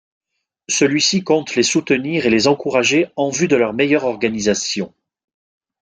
Celui-ci compte les soutenir et les encourager en vue de leur meilleure organisation.